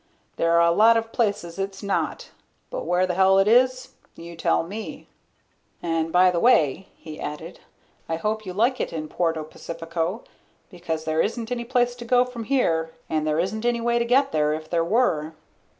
There are a lot of places it's not. But where the hell it is, you tell me. "And, by the way," he added, "I hope you like it in Puerto Pacifico. Because there isn't any place to go from here and there isn't any way to get there if there were."